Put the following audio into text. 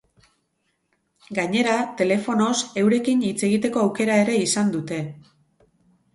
Gainera, telefonoz, eurekin hitz egiteko aukera ere izan dute.